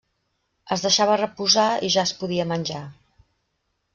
Es deixava reposar i ja es podia menjar.